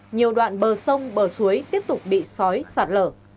nhiều đoạn bờ sông bờ suối tiếp tục bị sói sạt lở